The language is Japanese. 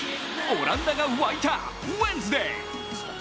オランダが沸いたウエンズデー。